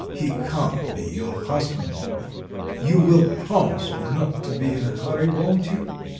He can't be your husband. You will promise me not to be in a hurry, won't you?"